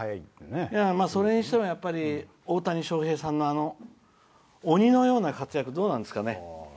それにしても大谷翔平さんの鬼のような活躍どうなんですかね。